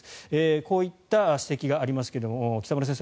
こういった指摘がありますが北村先生